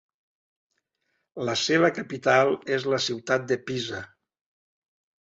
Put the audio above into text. La seva capital és la ciutat de Pisa.